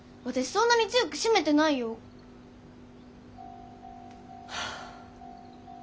そんなに強く閉めてないよ。はあ。